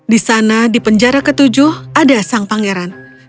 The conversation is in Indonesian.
di sana di penjara ketujuh ada sang pangeran